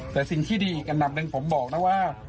แต่สิ่งที่ดีอีกอันดับหนึ่งผมบอกนะว่า